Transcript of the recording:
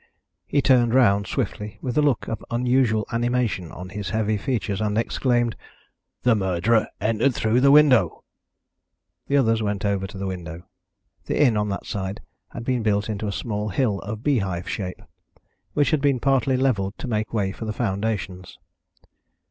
He turned round swiftly, with a look of unusual animation on his heavy features, and exclaimed: "The murderer entered through the window." The others went over to the window. The inn on that side had been built into a small hill of beehive shape, which had been partly levelled to make way for the foundations.